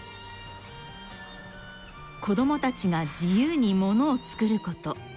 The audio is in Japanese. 子どもたちが自由にものを作ること。